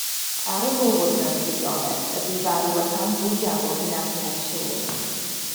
Ar y môr mewn gwirionedd y bu farw y rhan fwyaf o hynafiaid Siôn.